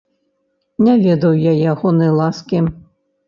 Не ведаў я ягонай ласкі.